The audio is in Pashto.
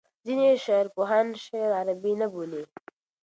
ځینې شعرپوهان شعر عربي نه بولي.